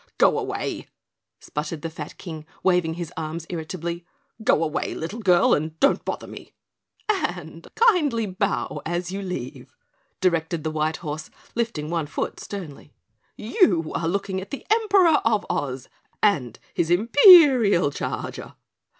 "Go away!" sputtered the fat King, waving his arms irritably. "Go away, little girl, and don't bother me." "And kindly bow as you leave," directed the White Horse, lifting one foot sternly. "You are looking at the Emperor of Oz and his Imperial Charger."